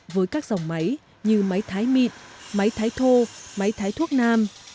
với các dòng máy như máy thái mịn máy thái thô máy thái thuốc nam